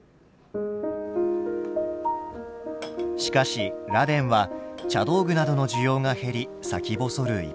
しかし螺鈿は茶道具などの需要が減り先細る